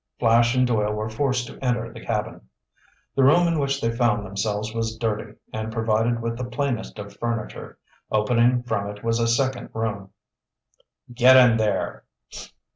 Flash and Doyle were forced to enter the cabin. The room in which they found themselves was dirty, and provided with the plainest of furniture. Opening from it was a second room. "Get in there!"